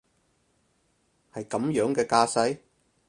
係噉樣嘅架勢？